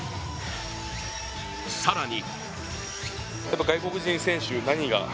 更に。